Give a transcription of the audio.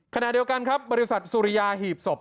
ขณะเดียวกันครับบริษัทสุริยาหีบศพ